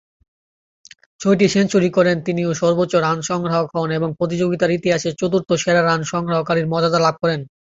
ছয়টি সেঞ্চুরি করেন তিনি ও সর্বোচ্চ রান সংগ্রাহক হন এবং প্রতিযোগিতার ইতিহাসে চতুর্থ সেরা রান সংগ্রহকারীর মর্যাদা লাভ করেন।